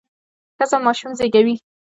ښځه ماشوم زیږوي.